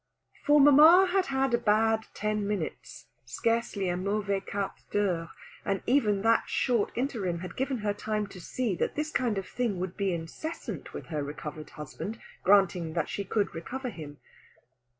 For mamma had had a bad ten minutes scarcely a mauvais quart d'heure and even that short interim had given her time to see that this kind of thing would be incessant with her recovered husband, granting that she could recover him.